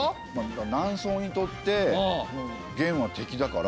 南宋にとって元は敵だから。